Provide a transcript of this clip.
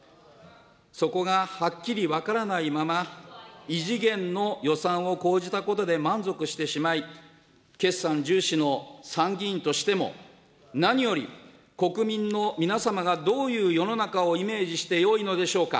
そこがはっきり分からないまま、異次元の予算を講じたことで満足してしまい、決算重視の参議院としても、何より国民の皆様がどういう世の中をイメージしてよいのでしょうか。